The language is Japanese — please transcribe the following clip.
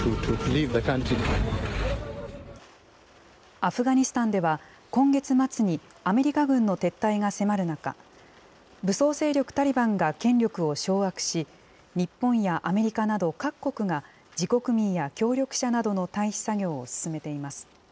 アフガニスタンでは、今月末にアメリカ軍の撤退が迫る中、武装勢力タリバンが権力を掌握し、日本やアメリカなど各国が、自国民や協力者などの退避作業を進めています。